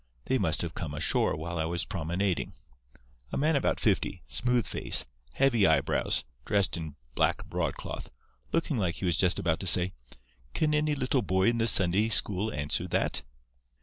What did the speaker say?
They must have come ashore while I was promenading. A man about fifty, smooth face, heavy eyebrows, dressed in black broadcloth, looking like he was just about to say, 'Can any little boy in the Sunday school answer that?